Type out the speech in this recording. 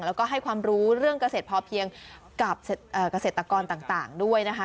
แล้วก็ให้ความรู้เรื่องเกษตรพอเพียงกับเกษตรกรต่างด้วยนะคะ